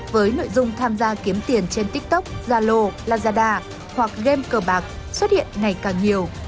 với nội dung tham gia kiếm tiền trên tiktok zalo lazada hoặc game cờ bạc xuất hiện ngày càng nhiều